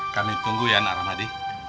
kami tunggu ya nah rahmadi